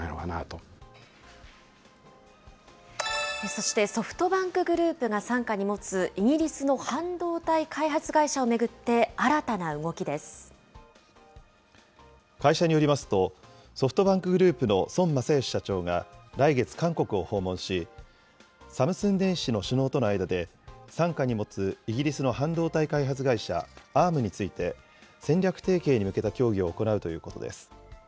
そして、ソフトバンクグループが傘下に持つイギリスの半導体開発会社を巡会社によりますと、ソフトバンクグループの孫正義社長が来月、韓国を訪問し、サムスン電子の首脳との間で、傘下に持つイギリスの半導体開発会社、Ａｒｍについて、戦略提携に向けた協議を行うということです。